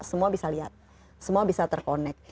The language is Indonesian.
semua bisa lihat semua bisa terkonek